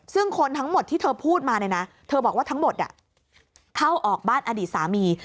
ซึ่งคนทั้งหมดที่เธอพูดมาเนี่ยนะเธอบอกว่าทั้งหมดเข้าออกบ้านอดีตสามี